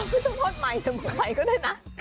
ก็จะโทษใหม่สมุขใหม่ก็ได้นะ